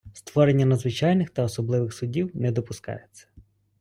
Створення надзвичайних та особливих судів не допускається.